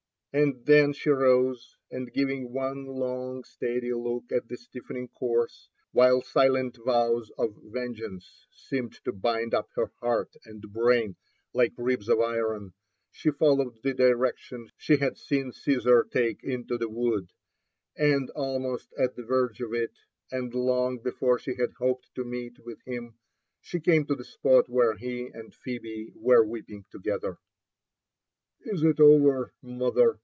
And then she rose, and giving one long steady look at the stiffening corse, while silent vows of vengeance seemed to bind up her heart and brain like ribs of iron, she followed the direction she had seen Caesar take into the wood, and almost at the verge of it, and long before she had hoped to meet with him, she came to the spot where he and Phebe were weeping together. ^'Is it over, mother?"